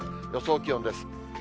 予想気温です。